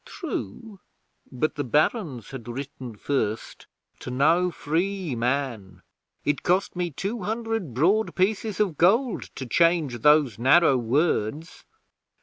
"' 'True, but the Barons had written first: To no free man. It cost me two hundred broad pieces of gold to change those narrow words.